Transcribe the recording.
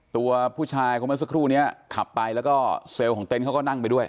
ตัวผู้ชายคนเมื่อสักครู่นี้ขับไปแล้วก็เซลล์ของเต็นต์เขาก็นั่งไปด้วย